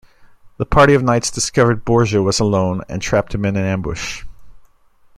The party of knights discovered Borgia was alone, and trapped him in an ambush.